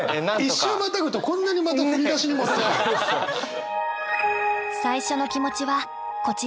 １週またぐとこんなにまた振り出しに戻るとは。